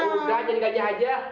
udah jadi gajah aja